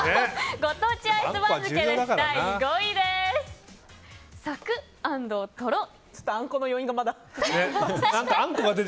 ご当地アイス番付です。